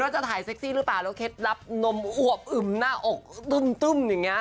แล้วจะถ่ายเซ็กซี่หรือเปล่าแล้วเคล็ดลับนมอวบอึมหน้าอกตึ้มอย่างนี้